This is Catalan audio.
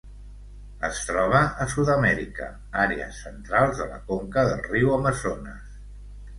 Es troba a Sud-amèrica: àrees centrals de la conca del riu Amazones.